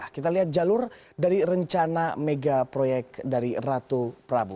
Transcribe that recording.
kita lihat jalur dari rencana mega proyek dari ratu prabu